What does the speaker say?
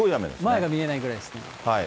前が見えないぐらいですね。